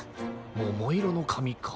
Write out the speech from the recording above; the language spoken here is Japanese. ももいろのかみか。